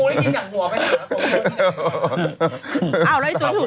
งูได้กินจากหัวกันอย่างนั้นแล้วตกเลือกที่ไหน